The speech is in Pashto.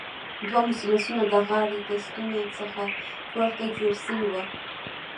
دوه مثلثونه د غاړې د ستنو څخه پورته جوړ شوي وو.